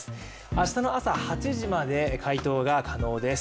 明日の朝８時まで回答が可能です。